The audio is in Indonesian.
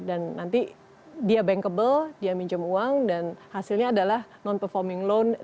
dan nanti dia bankable dia minjem uang dan hasilnya adalah non performing loan di bumdes